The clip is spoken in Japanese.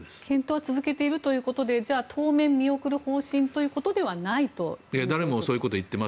検討は続けているということで当面、見送る方針ということではないということですか。